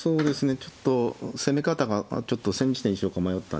ちょっと攻め方が千日手にしようか迷ったんですね。